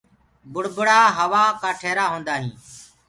بُڙبُڙآ هوآ ڪآ ٽيرآ هوندآ هينٚ۔